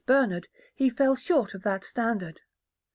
Bernard, he fell short of that standard.